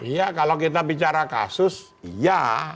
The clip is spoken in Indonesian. iya kalau kita bicara kasus iya